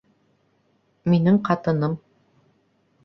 Минең ҡатыным